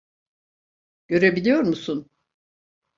Görebiliyor musun?